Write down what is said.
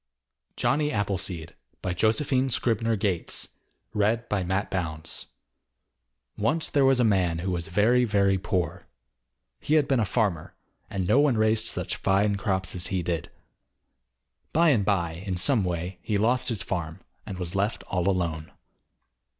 JOHNNY APPLESEED JOSEPHINE SCRIBNER GATES Once there was a man who was very, very poor. He had been a farmer, and no one raised such fine crops as he did. By and by, in some way, he lost his farm, and was left all alone.